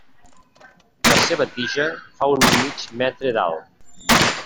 La seva tija fa un mig metre d'alt.